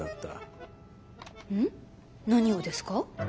ん？何をですか？